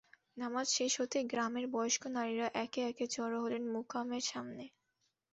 নামাজ শেষ হতেই গ্রামের বয়স্ক নারীরা একে একে জড়ো হলেন মুকামের সামনে।